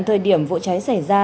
thời điểm vụ cháy xảy ra